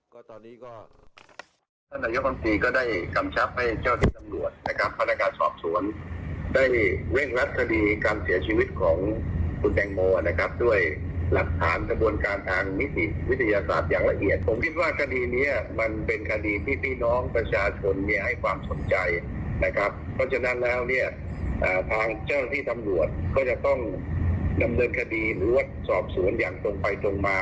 ก็จะต้องดำเนิดคดีหรือว่าสอบสวนอย่างตรงไปตรงมา